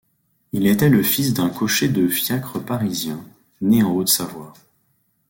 Il était le fils d'un cocher de fiacre parisien, né en Haute-Savoie.